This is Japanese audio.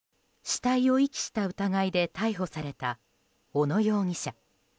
死体を遺棄した疑いで逮捕された小野容疑者。